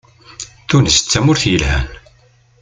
Tunes d tamurt yelhan.